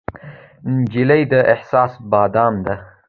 نجلۍ د احساس بادام ده.